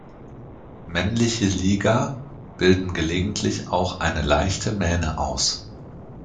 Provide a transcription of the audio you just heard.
Männliche Liger bilden gelegentlich auch eine leichte Mähne aus.